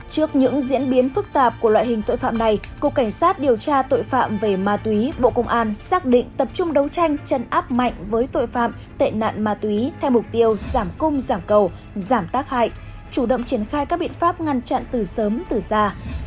trước những diễn biến phức tạp của loại hình tội phạm này cục cảnh sát điều tra tội phạm về ma túy bộ công an xác định tập trung đấu tranh chấn áp mạnh với tội phạm tệ nạn ma túy theo mục tiêu giảm cung giảm cầu giảm tác hại chủ động triển khai các biện pháp ngăn chặn từ sớm từ xa